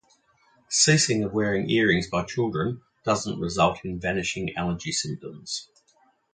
Ceasing of wearing earrings by children doesn't result in vanishing allergy symptoms.